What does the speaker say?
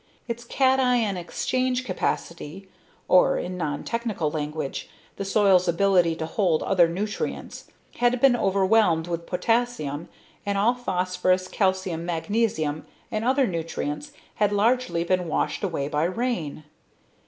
Its cation exchange capacity or in non technical language, the soil's ability to hold other nutrients had been overwhelmed with potassium and all phosphorus, calcium, magnesium, and other nutrients had largely been washed away by rain.